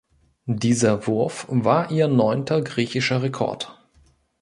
Dieser Wurf war ihr neunter griechischer Rekord.